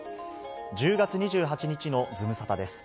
１０月２８日のズムサタです。